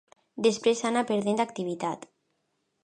Després anà perdent activitat.